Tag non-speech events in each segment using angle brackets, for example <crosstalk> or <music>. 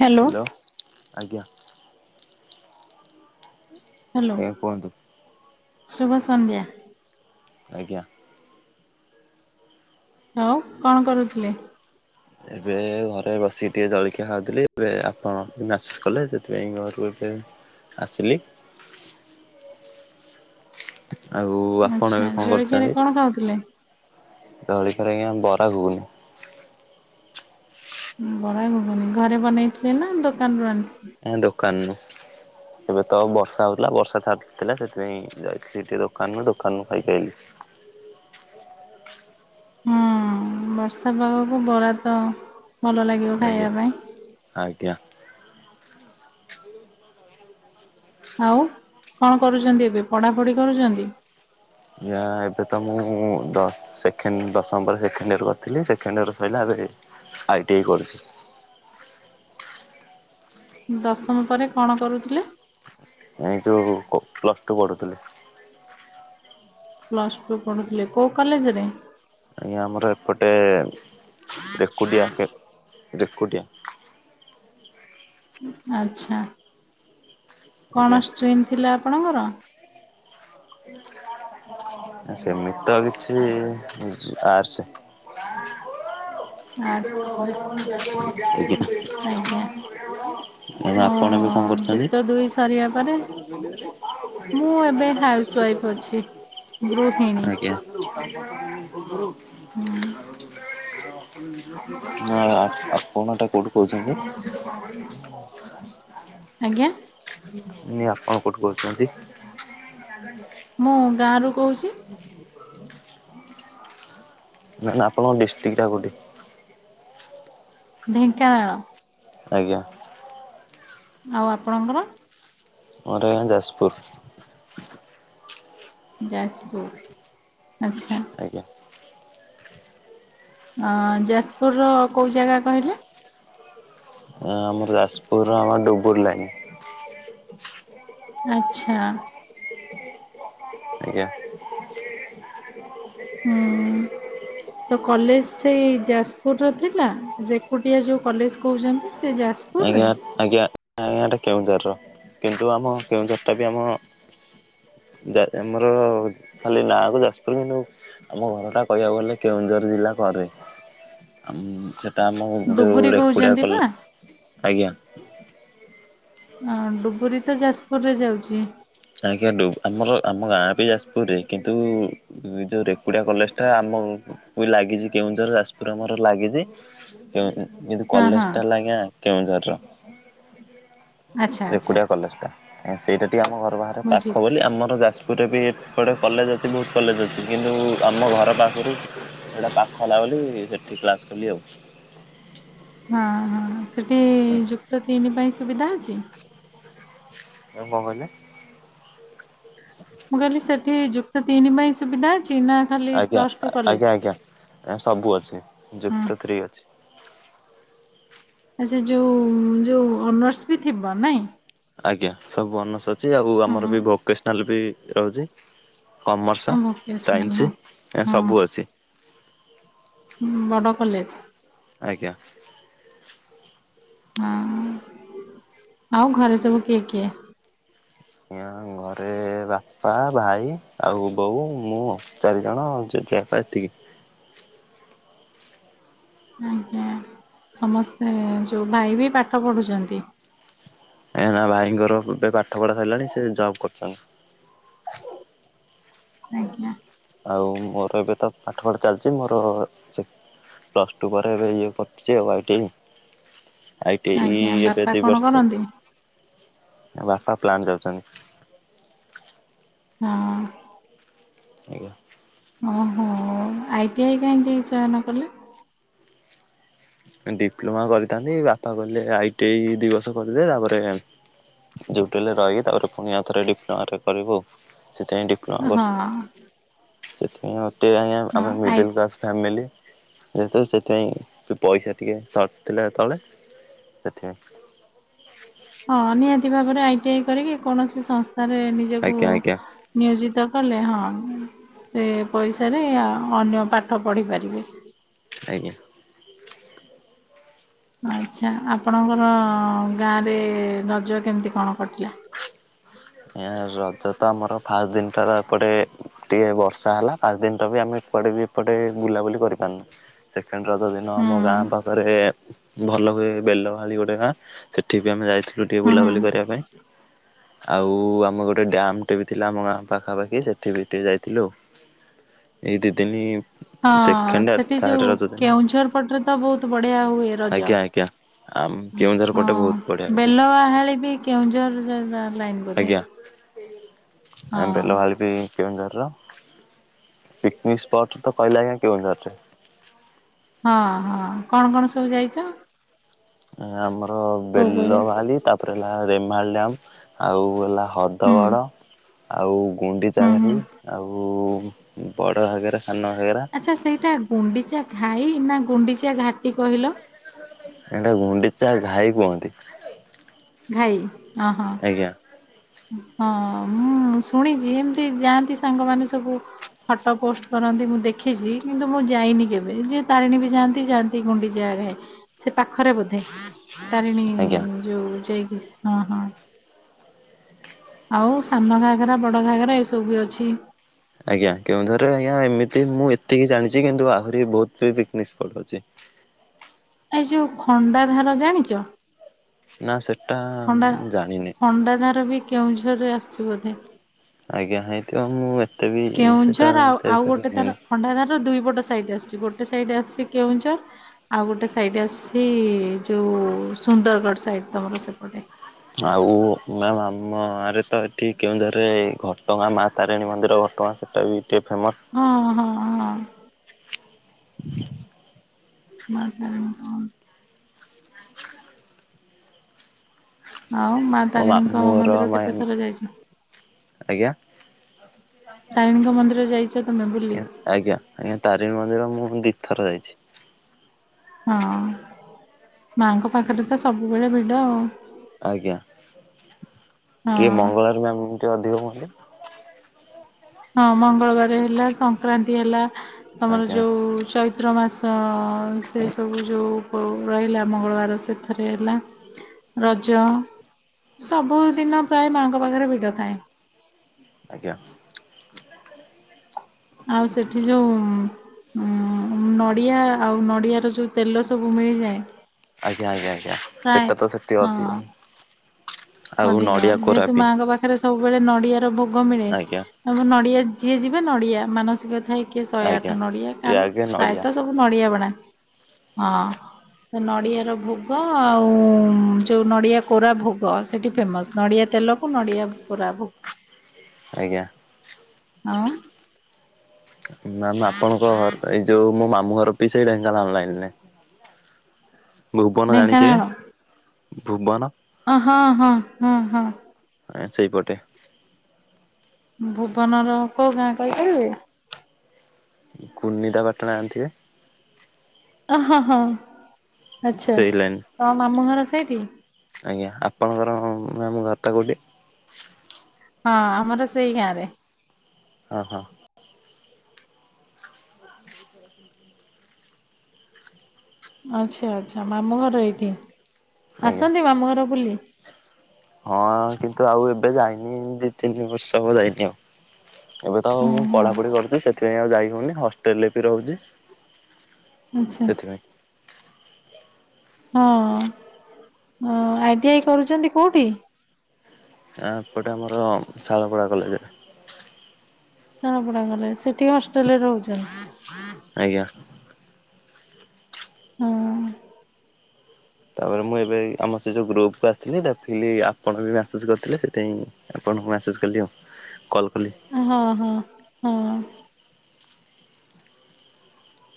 Hello. ଆଜ୍ଞା। Hello କୁହନ୍ତୁ। ଶୁଭ ସନ୍ଧ୍ୟା। ଆଜ୍ଞା। ହଉ କଣ କରୁଥିଲେ? ଏବେ ଘରେ ବସିିକି ଟିକେ ଜଳଖିଆ ଖାଉଥିଲି ଏବେ ଆପଣ ନାଚ କଲେ ସେଥିପାଇଁ ଘରୁ ଏବେ ଆସିଲି। ଆଉ ଆପଣ ଆଛା ଏବେ ଜଳଖିଆରେ କଣ ଖାଉଥିଲେ? ଜଳଖିଆ ରେ ଆଜ୍ଞା ବରାଗୁଗୁନି। ବରାଗୁଗୁନି ଘରେ ବନେଇଥିଲେ ନା ଦୋକାନରୁ ଆଣିଥିଲେ। ଦୋକାନରୁ ଏବେ ତ ବର୍ଷା ହଉଥିଲା ବର୍ଷା ଛାଡିଥିଲା ସେଥିପାଇଁ ଯାଇ ଟିକେ ଦୋକାନରୁ ଦୋକାନରୁୁ ଖାଇକି ଆଇଲିି। <inaudible> ହୁଁ ବର୍ଷା ପାଗକୁ ବରା ତ ଭଲ ଲାଗିବ ଆଜ୍ଞା ଖାଇବା ପାଇଁ। ଆଜ୍ଞା। ଆଉ କଣ କରୁଛନ୍ତି ଏବେ ପଢାପଢି କରୁଛନ୍ତି? ଆଜ୍ଞା ଏବେ ତ ମୁଁ ସେକେଣ୍ଡ ଦଶମ ପରେ ସେକେଣ୍ଡ ଇୟର୍ କରିଥିଲି ସେକେଣ୍ଡ ଇୟର ସରିଲା ଏବେ ଆଇଟିଆଇ କରିଛି। ଦଶମ ପରେ କଣ କରୁଥିଲେ? ଏଇ ଯେଉଁ ପ୍ଲସ୍ ଟୁ ପଢ଼ୁଥିଲି। ପ୍ଲସ ଟୁ ପଢୁଥିଲେ କୋଉ କଲେଜରେ? ଆଜ୍ଞା ଆମର ଏପଟେ ରେକୁଡ଼ିଆକେ ରେକୁଟିଆ। ଆ୍ଛା କଣ ଆଜ୍ଞା। ଷ୍ଟ୍ରିମ ଥିଲା ଆପଣଙ୍କର? ସେମିତି ତ କିଛି ଆର୍ ସେ ଆର୍ଟସ୍ ଥିଲା <inaudible> ଆଜ୍ଞା। ଆପଣ ଏବେ କଣ ହଁ କରୁଛନ୍ତି? ଯୁକ୍ତ ଦୁଇ ସାରିବା ପରେ। ମୁଁ ଏବେ ହାଉସ ୱାଇଫ ଅଛି ଗୃହିଣୀ। ଆଜ୍ଞା <unintelligible> ହୁଁ ଆ-ଆ-ଆ-ଆପଣ ଏଟା କଉଠୁ କହୁଛନ୍ତି? ଆଜ୍ଞା। ନାଇ ଆପଣ କଉଠୁ କହୁଛନ୍ତି? ମୁଁ ଗାଁ ରୁ କହୁଛି। ନା ନା ଆପଣଙ୍କ ଡିଷ୍ଟ୍ରିକ୍ଟ ଟା କଉଠି? ଢେଙ୍କାନାଳ। ଆଜ୍ଞା। ଆଉ ଆପଣଙ୍କର? ମୋର ଆଜ୍ଞା ଯାଜପୁର। ଯାଜପୁର ଆଚ୍ଛା। ଆଜ୍ଞା। ଅ ଯାଜପୁର ର କୋଉ ଜାଗା କହିଲେ? ଆମର ଯାଜପୁରର ଆମ ଡୁବୁର ଲାଇନି। ଆଚ୍ଛା। ଆଜ୍ଞା। ହୁଁ। ଆ ତ କଲେଜ ସେଇ ଯାଜପୁର ର ଥିଲା ରେକୁଟିଆ ଯୋଉ କଲେଜ କହୁଛନ୍ତି ସ ଆଜ୍ଞା ଆଜ୍ଞା। ଆଜ୍ଞା ଏଟା କେଉଁଝରର କିନ୍ତୁ ଆମ କେଉଁଝର ଟା ବି ଆମ। ଜା ଆମର ଖାଲି ନାଁକୁ ଯାଜପୁର କିନ୍ତୁ ଆମ ଘରଟା କହିବାକୁ ଗଲେ କେଉଁଝର ଜିଲ୍ଲାକୁ। ଘରେ ଅମ ସେଇଟା ଆମ ଯୋଉ ଡୁବୁରି ରେକୁଡ଼ିଆ କହୁଛନ୍ତି କଲ। ପା ଆଜ୍ଞା। ହଁ ଡୁବରି ତ ଯାଜପୁର ରେ ଯାଉଛି। ଆଜ୍ଞା ଡୁ ଆମର ଆମ ଗାଁ ବି ଯାଜପୁରରେ କିନ୍ତୁ ଯୋଉ ରେକୁଡିଆ କଲେଜ ଟା ଆମ ଅ ବି ଲାଗିଛି କେଉଁଝର ଯାଜପୁର ଆମର ଲାଗିଛି କେଉଁ କିନ୍ତୁ ହଁ ହଁ କଲେଜ ଟା ହେଲା ଆଜ୍ଞା କେଉଁଝରର ଆଚ୍ଛା ଆଚ୍ଛା ରେକୁଡିଆ କଲେଜ ଟା। ଆଁ ସେଇଟା ଟିକେ ଆମ ଘର ବାହାର ବୁଝିଲି। ପାଖ ବୋଲି ଆମର ଯା ପୁରରେ ବି ଏପଟେ କଲେଜ ଅଛି ବହୁତ କଲେଜ ଅଛି କିନ୍ତୁ ଆମ ଘର ପାଖୁରୁ। ସେଇଟା ପାଖ ହେଲା ବୋଲି ସେଠି କ୍ଲାସ କଲି ଆଉ। ହଁ ହଁ ସେଠି ଯୁକ୍ତ ତିନି ପାଇଁ ସୁବିଧା ଅଛି। ଏ ମ କହିଲେ। ମୁଁ କହିଲି ସେଠି ଯୁକ୍ତ ତିନି ପାଇଁ ସୁବିଧା ଅଛି ନା ଖାଲି ଆଜ୍ଞା ପ୍ଲସ ଟୁ କଲେଜ? ଆଜ୍ଞା ଆଜ୍ଞା ଆଁ ସବୁ ଅଛି ହଁ ଯୁକ୍ତ ଥ୍ରୀ ଅଛି। ଆ ସେ ଯୋଉ ଯୋଉ ଅନର୍ସ ବି ଥିବ ନାଇଁ। ଆଜ୍ଞା ସବୁ ଅନର୍ଶ ଅଛି ଆଉ ହଁ ଆମର ବି ହଁ ଭୋକେସନାଲ୍ ବି ରହୁଛି। କମର୍ସ ଭୋକେସନାଲ ହଁ ସାଇନ୍ସ ଏ ହଁ ସବୁ ଅଛି। ଉଁ ବଡ଼ କଲେଜ। ଆଜ୍ଞା। ଆଉଁ ଆଉ ଘରେ ସବୁ କିଏ କିଏ? ଆଜ୍ଞା ଘରେ ବାପା ଭାଇ ଆଉ ବୋଉ ମୁଁ ଚାରିଜଣ ଜେ ଜେ ବାପା ଏତିକି। ଆଜ୍ଞା ସମସ୍ତେ ଯୋଉ ଭାଇ ବି ପାଠ ପଢୁଛନ୍ତି। ଏ ନା ଭାଇଙ୍କର ଏବେ ପାଠ ପଢ଼ା ସରିଲାଣି ସେ ଜବ୍ କରୁଛନ୍ତି। ଆଜ୍ଞା। ଆଉ ମୋର ଏବେ ତ ପାଠପଢା ଚାଲିଛି ମୋର ସେ ପ୍ଲସ ଟୁ ପରେ ଏବେ ଇଏ କରୁଛି I T I. I T I. ଆଜ୍ଞା ଏବେ ବାପା ଦୁଇ କଣ ବର୍ଷ।। କରନ୍ତି? ବାପା ପ୍ଲାଣ୍ଟ ଯାଉଛନ୍ତି। ହଁ। <unintelligible> ଓହୋ ଆଇଟି ଆଇ କାହିଁକି ଚ ୟ ନ କଲେ। ଡିପ୍ଲୋମା କରିଥାନ୍ତି ବାପା କହିଲେ ଆଇଟି ଆଇ ଦୁଇ ବର୍ଷ କରିଦେଲେ ତାପରେ ଯୋଉଠି। ହେଲେ ରାହିକି ତାପରେ ପୁଣି ଆ ଥରେ ଡିପ୍ଲୋମାରେ କରିବୁ। ସେଥିପାଇଁ ଡିପ୍ଲୋମା କରୁଛି ହଁ ସେଥିପାଇଁ ମୋତେ ଆଜ୍ଞା ଆମ ହଁ ଆଇ ମିଡ଼ିଲ୍ କ୍ଲାସ୍ ଫ୍ୟାମିଲି ଯେତୁ ସେଥିପାଇଁ ପଇସା ଟିକେ ସଟ ଥିଲା ସେତେବେଳେ ସେଥିାଇଁ। ହଁ ନିହାତି ଭାବରେ ଆଇଟି ଆଇ କରିକି କୌଣସି ସଂସ୍ ତାରେ ନିଜକୁ ଆଜ୍ଞା ଆଜ୍ଞା ନିୟୋଜିତ କଲେ ହଁ। ସେ ପଇସାରେ ଅନ୍ୟ ପାଠ ପଢିପାରିବେ। ଆଜ୍ଞା। ଆଚଛା ଆପଣଙ୍କର ଗାଁରେ ରଜ କେମିତି କଣ କଟିଲା। <unintelligible> ରଜ ତ ଆମର ଫାଷ୍ଟ ଦିନଟା ଏପଟେ ଟିକେ ବର୍ଷା ହେଲା ଫାଷ୍ଟ ଦିନଟା ବି ଆମେ କୁଆଡ଼େ ବି ଏପଟେ ବୁଲାବୁଲି କରିପାରୁନି ସେ ରଜ ଦିନ ହୁଁ ଆମ ଗାଁ ପାଖରେ ଭଲ ହୁଏ ବେଲ ମାଳି ଗୋଟେ ଗାଁ ସେଠି ବି ଆମେ ଯାଇ ତୁଟିଏ ହୁଁ ହୁଁ। ବୁଲାବୁଲି କରିବା ପାଇଁ ଆଉ ଆମ ଗୋଟେ ଡ୍ୟାମଟେ ବି ଥିଲା ଆମ ଗାଁ ପାଖାପାଖି ସେଠି ବି ଟିକେ ଯାଇଥିଲୁ। ଏଇ ଦି ଦିନି ହଁ ସେକେଣ୍ଡ ଆଉ ସେଠି ଥାର୍ଡ ଯୋଉ ରଜ ଦିନ କେଉଁଝର ପଟରେ ତ ବହୁତ ବଢିଆ ହୁଏ ରଜ। ଆଜ୍ଞା ଆଜ୍ଞା। ଆମ କେଉଁଝର ହଁ ପଟେ ବହୁତ ବଢ଼ିଆ ହଉଛି ବେଲବାହାଳି ବି କେଉଁଝର ଲାଗ। ବୋଦେ। ଆ ବେଲ ଭାଲିିବି କେଉଁ ଝର ପିକିନିକି ସ୍ପଟ ତ କହିଲେ ଆଜ୍ଞକେଉଁଝରେ ଅଟେ ହଁ ହଁ କଣ କଣ ସବୁ ଯାଇଛ ଆମର କୋଉ କୋଉ ଜାଗା? ବେଲମାଳି ତାପରେ ହେଲା ରେମାଲ ଡ୍ୟାମ ଆଉ ହେଲା। ହଦ ହୁଁ ବଡ଼ ଆଉ ଗୁଣ୍ଡିଚା ହୁଁ ଘାଇ ହୁଁ। ଆଉ ବଡ଼ ଘାଗେରା ସାନ ଘାଗେରା ଆଚ୍ଛା ସେଇଟା ଗୁଣ୍ଡିଚା ଘାଇ ନା ଗୁଣ୍ଡିଚ। ଘାଟି କହିଲ? ଏଟା ଗୁଣ୍ଡିଚା ଘାଇ କୁହନ୍ତି। ଘାଇ ଅ ହଁ। ଆଜ୍ଞା ହଁ ମୁଁ ଶୁଣିଛି ଏମିତି ଯାଆନ୍ତି ସାଙ୍ଗମାନୋନ ସବୁ। ଫଟୋ ପୋଷ୍ଟ କରନ୍ତି ମୁଁ ଦେଖିଛି କିନ୍ତୁ ମୁଁ ଯାଇନି କେବେ ଯିଏ ତାରିଣୀ ବି ଯାଆନ୍ତି ଯାଆନ୍ତି ଗୁଣ୍ଡିଚା ଘା ସେ ପାଖରେ ବୋଧେ? ତାରିଣୀ ଆଜ୍ଞା ଯୋଉ ଯାଇକି ହଁ ହଁ। ଆଉ ସାନ ଘଘରା ବଡ ଘଘରା ଏସବୁ ବି ଅଛି। ଆଜ୍ଞା କେଉଁଝର ରେ ଆଜ୍ଞ ଏମିତି ମୁଁ ଏତିକି ଜାଣିଛି କିନ୍ତୁ ଆହୁରି ବହୁତିକ ପିକିନିକି। ସ୍ପଟ ଅଛି। <inaudible> ଏଇ ଯୋଉ ଖଣ୍ଡା ଧାର ଜାଣିଛ? ନା ସେଠା। ଖ ଖଣ୍ଡାଧାର ବି କେଉଁଝରରେ ଆସଛି ବୋଧେ? ଆଜ୍ଞା ହେଇଥିବ ମୁଁ ଏତେ ବି ସେଟା କେଉଁଝର ଆଉ ଆଉ ଗୋଟେ ତାର ଜାଣିନି ହଣ୍ଡା ଧାର ଦୁଇ ପଟ ସାଇଡ ଆସୁଛି। ଗୋଟେ ସାଇଡ ଆସଛି କେଉଁଝର ଆଉ ଗୋଟେ ସାଇଡ ଆସଛି ଯୋଉ ସୁନ୍ଦରଗଡ଼ ସାଇଡ ତମର ସେ ଆଉ ମ ଆମରେ ତ ଏଠି କେଉଁଝରେ ଘଟଗାଁ ମା ତାରିଣୀ ମନ୍ଦିର। କଣ ସେଟା ବି ଟିକେ ଫେମସ୍ ହଁ ହଁ ହଁ। <inaudible> ଦରକାର କଣ। ଆଉ ମା ମୋ ତାରିଣୀଙ୍କ ମାମୁଁ ଘର ମନ୍ଦିର ମା କେତେ ଆଜ୍ଞା। ଥର ଯାଇଛ? ଆଜ୍ଞା ତାରିଣୀଙ୍କ ମନ୍ଦିର ଯାଇଛ ତମେ ବୁଲି? ଆଜ୍ଞା ଆଜ୍ଞା ତାରିଣୀ ମନ୍ଦିର ମୁଁ ମୁଁ ଦିଥର ଯାଇଛି। ହଁ ମାଆଙ୍କ ପାଖରେ ତ ସବୁବେଳେ ଭିଡ ଆଉ। ଆଜ୍ଞା ଟିକେ ହଁ। ମଙ୍ଗଳବାରେ ବି ଆମ ଟିକେ ଅଧିକ ହୁଅନ୍ତି। ହଁ ମଙ୍ଗଳବାର ହେଲା ସଂକ୍ରାନ୍ତି ହେଲା ତମର ଆଜ୍ଞା ଯୋଉଁ ଚୈତ୍ର ମାସ ତ ଅ ସେ ସବୁ ଯୋଉଁ ଉ ରହିଲା ମଙ୍ଗଳବାର ସେଥିରେ ହେଲା ରଜ। ସବୁଦିନ ପ୍ରାୟ ମାଆଙ୍କ ପାଖରେ ଭିଡ ଥାଏ। ଆଜ୍ଞା। ଆଉ ସେଠି ଯୋଉଁ ଉଁ ନଡିଆ ଆଉ ନଡିଆ ର ଯୋଉ ତେଲ ସବୁ ମିଳିଯାଏ। ଆଜ୍ଞା ଆଜ୍ଞା ଆଜ୍ଞା ପ୍ରାୟ ସେଟା ତ ସେଠି ଅଦି ହଁ ଅଧିକ ଯେହେତୁ ମାଆଙ୍କ ପାଖରେ ସବୁ ସବୁବେଳେ ନଡିଆ ର ଭୋଗ ମିଳେ ଆଜ୍ଞା। ମ ନଡିଆ ଯିଏ ଯିବେ ନଡିଆ ମାନସିକ ଥାଇ ଟିକେ ଶହେ ଆଠ ଆଜ୍ଞା ନଡିଆ ଟିକେ କାହାର ଆଗେ ନଡ଼ିଆ। ପ୍ରାୟତଃ ସବୁ ନଡିଆ ବଡାନ୍ତି ହଁ। ଅ ନଡିଆ ର ଭୋଗ ଆଉ ଯୋଉଁ ନଡିଆ କୋରା ଭୋଗ ସେଠି ଫେମସ ନଡିଆ ତେଲକୁ ନଡିଆ କୋରା ଭୋଗ। ଆଜ୍ଞା। ହଁ। ମାମ ଆପଣଙ୍କ ଏ ଯୋଉ ମୋ ମାମ ମୋର ପିଛେଇ ଢେଙ୍କାନାଳ ଲାଇନି ରେ ଭୁବନ ଢେଙ୍କାନାଳ ଜାଣିଥିବେ? ଭୁବନ। ଅ ହଁ ହଁ ହଁ ହଁ। ଆ ସେଇପଟେ। ଭୁବନର କୋଉ ଗାଁ କହିପାରିବେ। କୁନିନ୍ଦା ପାଟଣା ଜାଣିଥିବେ। ଅ ହଁ ହଁ ଆଛା ସେଇ ଲାଇନ୍ ତ ମାମୁଁ ଘର ସେଇଠି। ମାମୁଁ ଘର ଟା କୋଉଠି। ହଁ ଆମର ସେଇ ଗାଁ ରେ। ଓ ହଁ। ଆଚ୍ଛା ଆଚ୍ଛା ମାମୁଁ ଘର ଏଇଠି ଆଜ୍ଞା। ଆସନ୍ତି ମାମୁଁ ଘର ବୁଲି? ହଁ କିନ୍ତୁ ଆଉ ଏବେ ଯାଇନି ଦି ତିନି ବର୍ଷ ହବ ଯାଇନି ଆଉ। ଏବେ ତ ଆଉ ହଁ ମୁଁ ହଁ ପଢାପଢି କରୁଛି ସେଥିପାଇଁ ଆଉ ଯାଇ ହଉନି ହଷ୍ଟେଲ ରେ ବି ରହୁଛି। ଆଚ୍ଛା ସେଥିପାଇଁ। ହଁ ହଁ ଆଇଟି ଆଇ କରୁଛନ୍ତି କୋଉଠି? ଆ ଏପଟେ ଆମର ସାଳପଡ଼ା କଲେଜରେ। ସାଳପଡା କଲେଜ ସେଠି ହଷ୍ଟେଲରେ ରହୁଛ। ଆଜ୍ଞା। ହୁଁ। ତାପରେ ମୁଁ ଏବେ ଏଇ ଆମ ସେ ଯୋଉ ଗ୍ରୁପ କୁ ଆସିଥିଲି ଦେଖିଲି ଆପଣ ବି ମସେଜ କରିଥିଲେ ସେଥିପାଇଁ ଆପ ଣଙ୍କୁ ମେସେଜ୍ କଲି ଆଉ କଲ କଲି। ହଁ ହଁ ହଁ ହ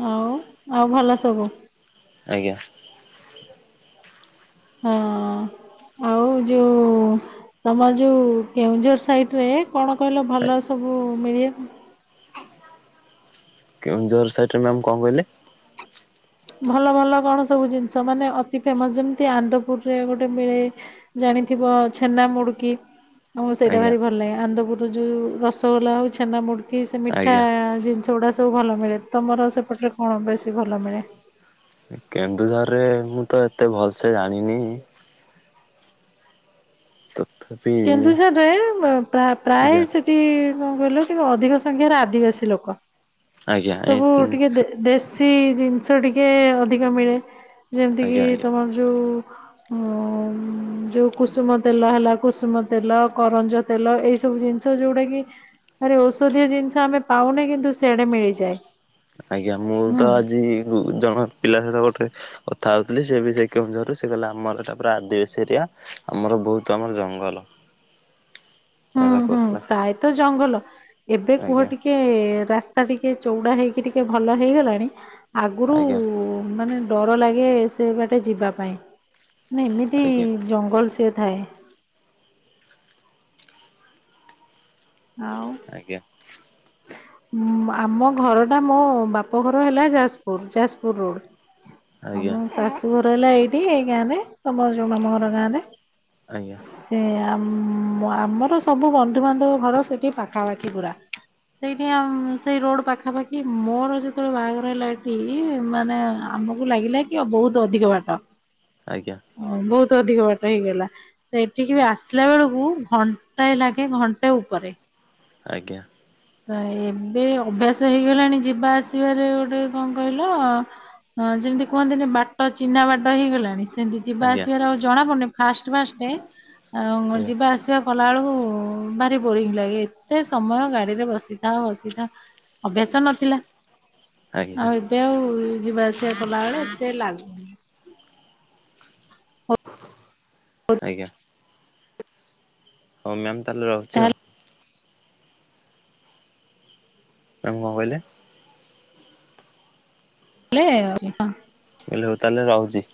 ହୋଉ ଆଉ ଭଲ ସବୁ। ଆଜ୍ଞା। ହଁ ଆଉ ଯୋଉଁ ତମ ଯୋଉ କେଉଁଝର ସାଇଟ ରେ କଣ କହିଲ ଭଲ ସବୁ ମିଳେ? କେଉଁଝର ସାଇଟରେ ମ୍ୟାମ କଣ କହିଲେ? ଭଲ ଭଲ କଣ ସବୁ ଜିନିଷ ମାନେ ଅତି ଫେମସ ଯେମତି ଆନନ୍ଦପୁରରେ ଗୋଟେ ମିଳେ। ଜାଣିଥିବ ଛେନା ମୁଡକି? ହଁ ସେଇଟା ଆଜ୍ଞା ଭାରି ଭଲ ଲାଗେ ଆନ୍ଦପୁରରୁ ଯୋଉଁ ରସଗୋଲା ହଉ ଛେନା ମୁଡିକି ସେ ମିଠା ଆଜ୍ଞା। ଜିନିଷ ସେଗୁଡ଼ା ସବୁ ଭଲ ମିଳେ ତମର ସେପଟରେ କଣ ବେଶୀ ଭଲ ମିଳେ? କେନ୍ଦୁଝରରେ ମୁଁ ତ ଏତେ ଭଲସେ ଜାଣିନି। ତଥାପି କେନ୍ଦୁଝରରେ ପ୍ରାୟ ଆଜ୍ଞା ସେଠି କଣ କହିଲ ଟିକେ ଅଧିକ ସଂଖ୍ୟାରେ ଆଦିବାସୀ ଲୋକ ଆଜ୍ଞା ସବୁ ଆଜ୍ଞା ଟିକେ ଦେଶ ସେ ଜିନିଷ ଟିକେ ଅଧିକ ମିଳେ ଯେମିତି କିି ଆଜ୍ଞା। ତମର ଯୋଉଁ ହ ଯୋଉଁ କୁସୁମ ତେଲ ହେଲା କୁସୁମ ତେଲ, କରଞ୍ଜ ତେଲ, ଏଇ ସବୁ ଜିନିଷ ଯୋଉଁଟା କି ଆରେ ଔଷଧୀୟ ଜିନିଷ ଆମେ ପାଉନେ କିନ୍ତୁ ସେଆଡେ ମିଳିଯାଏ। ଆଜ୍ଞା ମୁଁ ତ ହୁଁ। ଆଜି ଜଣ ପିଲା ସହିତ ଗୋଟେ କଥା ହଉ ସେ ବି ସେ କେନ୍ଦୁଝର ସେ କହିଲ ଆମର ଏଟା ପୁରାଦିବାସୀ ଏରିଆ ଆମର ବହୁତ ଆମର ଜଙ୍ଗଲ। <unintelligible> ହୁଁ ଏଗୁରା ହୁଁ କହୁଥିଲା ପ୍ରାୟତଃ ଜଙ୍ଗଲ ଏବେ କୁହ ଆଜ୍ଞା ଟିକେ ରାସ୍ ରାସ୍ତା ଟିକେ ଚଉଡା ହେଇକି ଟିକେ ଭଲ ହେଇଗଲାଣି ଆଗରୁ ଆଜ୍ଞା ମାନେ ଡର ଲାଗେ ସେ ବାଟେ ଯିବା ପାଇଁ ମେ ଏମିତି ଆଜ୍ଞା ଜଙ୍ଗଲ ସେ। ଥାଏ। ଆଉ ଆଜ୍ଞା ଆମ ଘର ଟା ମୋ ବାପଘର ହେଲା ଯାଜପୁର ଯାଜପୁର ରୋଡ ଆଜ୍ଞା ଆମ ଶାଶୁ ଘର ହେଲା ଏଇଠି ଏଇ ଗାଁରେ ତମ ଯୋଉଁ ମାମୁଁଘର ଗାଁରେ। ଆଜ୍ଞା ଆଜ୍ଞା ସେ ଆ ଆମର ସବୁ ବନ୍ଧୁବାନ୍ଧବ ଘର ପାଖାପାଖି ପୁରା। ସେଇଠି ସେଇ ରୋଡ଼ ପାଖାପାଖି ମୋର ଯେତେବେଳେ ବାହାଘର ହେଲା ଏଠି ମାନେ ଆମକୁ ଲାଗିଲା କି ଆ ବହୁତ ଅଧିକ ବାଟ ଆଜ୍ଞା ବହୁତ ଅଧିକ ବାଟ ହେଇଗଲା ତ ଏଠିକି ବି ଆସିଲା ବେଳକୁ ଘଣ୍ଟାଏ ଲାଗେ ଘଣ୍ଟା ଉପରେ। ଆଜ୍ଞା। ଏବେ ଅଭ୍ୟାସ ହେଇଗଲାଣି ଯିବା ଆସିବାରେ ଗୋଟେ କଣ କହିଲ ହଁ ଯେମିତି କୁହନ୍ତିନ ବାଟ ଚିହ୍ନା ବାଟ ହେଇଗଲାଣି? ସେମିତି ଯିବା ଆଜ୍ଞା ଆସିବାର ଆଉ ଜଣା ପଡୁନି ଫାଷ୍ଟ ଫାଷ୍ଟ ଆ ଯିବା ଆସିବା କଲାବେେଳକୁ ଭାରି ବୋରିଙ୍ଗ ଲାଗେ। ଏତେ ସମୟ ଗାଡିରେ ବସିଥା ବସିଥା ଅଭ୍ୟାସ ନଥିଲା। ଆଜ୍ଞା ଆଜ୍ଞା ଆଉ ଏବେ ଆଉ ଯିବା ଆସିବା କଲାବେଳେ ଏତେ ଲାଗୁନି। ଆଜ୍ଞା। ହଉ ମ୍ୟାମ୍ ତାହେଲେ ରହୁଛି ହଉ। ଆଉ କଣ କହିଲେ? <unintelligible> ହେଲେ ହଉ ତାହେଲେ ରହୁଛି।